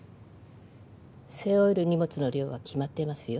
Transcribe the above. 背負える荷物の量は決まっていますよ